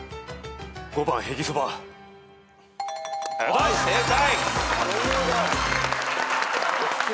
はい正解！